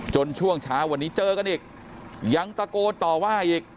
ช่วงเช้าวันนี้เจอกันอีกยังตะโกนต่อว่าอีก